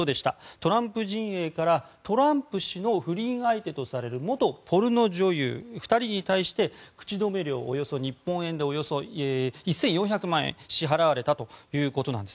トランプ陣営からトランプ氏の不倫相手とされる元ポルノ女優、２人に対して口止め料日本円でおよそ１４００万円支払われたということなんです。